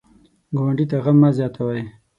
ګاونډي ته غم مه زیاتوئ